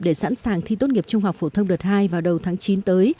để sẵn sàng thi tốt nghiệp trung học phổ thông đợt hai vào đầu tháng chín tới